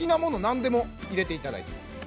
何でも入れていただいていいです